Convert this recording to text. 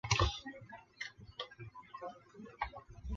防护装甲与巡洋舰相当。